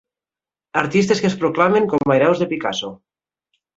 Artistes que es proclamen com a hereus de Picasso.